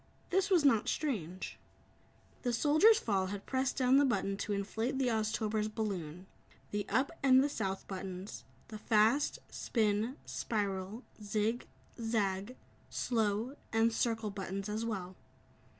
This was not strange. The Soldier's fall had pressed down the button to inflate the Oztober's balloon, the "Up" and the "South" buttons, the "fast," "spin," "spiral," "zig," "zag," "slow" and "circle" buttons as well.